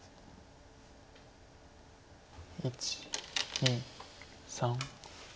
１２３。